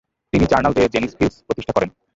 তিনি "journal de Genis Fils" প্রতিষ্ঠা করেন।